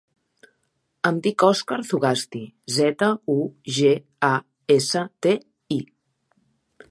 Em dic Òscar Zugasti: zeta, u, ge, a, essa, te, i.